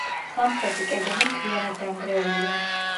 სამხრეთი კედელი მთლიანად დანგრეულია.